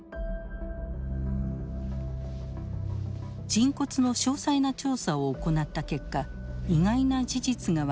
人骨の詳細な調査を行った結果意外な事実が分かりました。